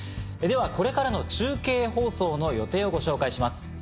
ではこれからの中継放送の予定をご紹介します。